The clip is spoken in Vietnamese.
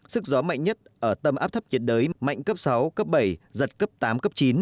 sức gió mạnh nhất ở tầng áp thấp nhiệt đới mạnh cấp sáu cấp bảy giật cấp tám cấp chín